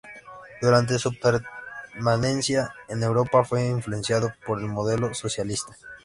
Durante su permanencia en Europa, fue influenciado por el modelo socialista.